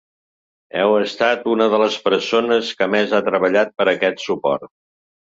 Heu estat una de les persones que més ha treballat per aquest suport.